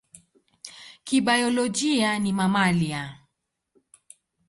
Kibiolojia ni mamalia.